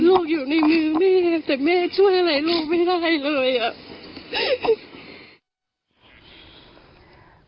ลูกอยู่ในมือแม่แต่แม่ช่วยอะไรลูกไม่ได้เลยอ่ะ